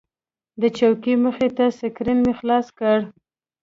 د چوکۍ مخې ته سکرین مې خلاص کړ.